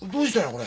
これ。